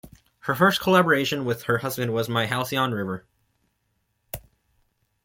Her first collaboration with her husband was "My Halcyon River".